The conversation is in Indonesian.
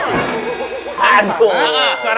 ke arah sana